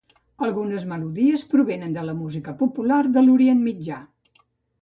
Algunes melodies provenen de la música popular de l'Orient Mitjà.